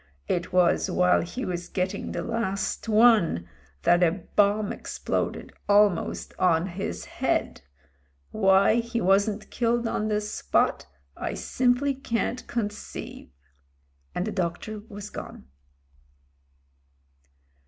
It was while he was getting the last one that a bomb exploded almost on his head. Why he wasn't killed on the spot, I simply can't conceive." And the doctor was gone.